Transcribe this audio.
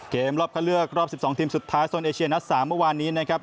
รอบเข้าเลือกรอบ๑๒ทีมสุดท้ายโซนเอเชียนัด๓เมื่อวานนี้นะครับ